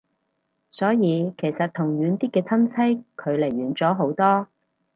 所以其實同遠啲嘅親戚距離遠咗好多